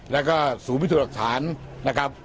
และศูบิตรรกฐาน